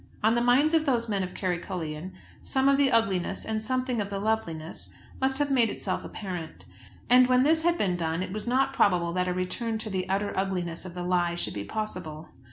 On the minds of those men of Kerrycullion something of the ugliness and something of the loveliness must have made itself apparent. And when this had been done it was not probable that a return to the utter ugliness of the lie should be possible.